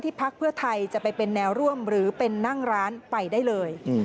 พักเพื่อไทยจะไปเป็นแนวร่วมหรือเป็นนั่งร้านไปได้เลย